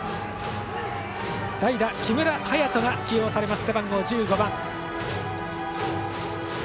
代打、木村颯人が起用されています。